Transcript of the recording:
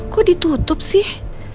kok ditutup sih